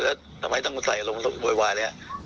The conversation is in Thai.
แล้วทำไมต้องใส่อารมณ์บ่อยอะไรอย่างเนี่ย